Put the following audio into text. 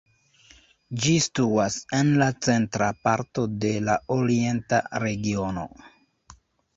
Ĝi situas en la centra parto de la Orienta Regiono.